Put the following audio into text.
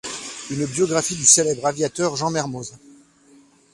Une biographie du célèbre aviateur Jean Mermoz.